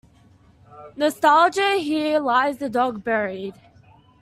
Nostalgia Here lies the dog buried.